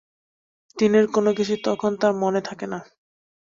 দিনের কোনো কিছুই তখন তাঁর মনে থাকে না।